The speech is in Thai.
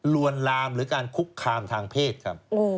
ลวนลามหรือการคุกคามทางเพศครับ